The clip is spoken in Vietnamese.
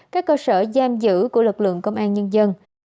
các cơ sở giam giữ của lực lượng công an nhân dân